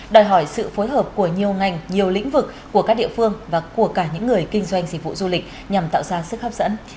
đòi hỏi sự phối hợp của nhiều ngành nhiều lĩnh vực của các địa phương và của cả những người kinh doanh dịch vụ du lịch nhằm tạo ra sức hấp dẫn